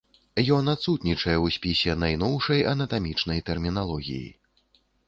Ён адсутнічае ў спісе найноўшай анатамічнай тэрміналогіі.